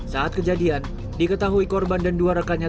saat kejadian diketahui korban dan dua rekannya